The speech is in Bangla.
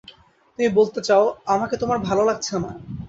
তুমি বলতে চাও, আমাকে তোমার ভালো লাগছে না।